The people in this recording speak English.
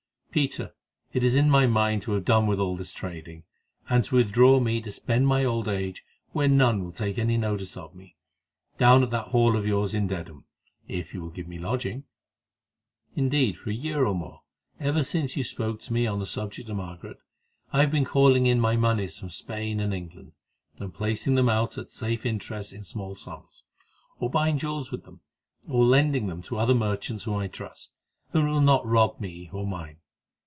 Peter, it is in my mind to have done with all this trading, and to withdraw me to spend my old age where none will take any notice of me, down at that Hall of yours in Dedham, if you will give me lodging. Indeed for a year and more, ever since you spoke to me on the subject of Margaret, I have been calling in my moneys from Spain and England, and placing them out at safe interest in small sums, or buying jewels with them, or lending them to other merchants whom I trust, and who will not rob me or mine.